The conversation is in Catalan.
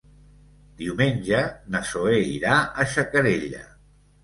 Diumenge na Zoè irà a Xacarella.